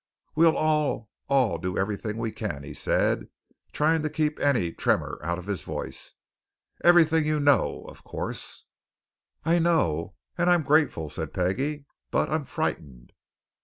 "We'll all all do everything we can," he said, trying to keep any tremor out of his voice. "Everything you know, of course." "I know and I'm grateful," said Peggie. "But I'm frightened."